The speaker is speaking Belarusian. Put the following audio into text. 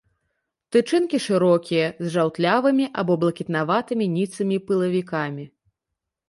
Тычынкі шырокія, з жаўтлявымі або блакітнаватымі ніцымі пылавікамі.